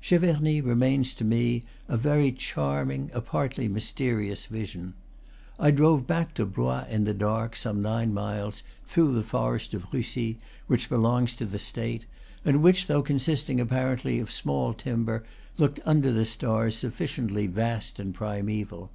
Cheverny remains to me a very charming, a partly mysterious vision. I drove back to Blois in the dark, some nine miles, through the forest of Russy, which belongs to the State, and which, though con sisting apparently of small timber, looked under the stars sufficiently vast and primeval.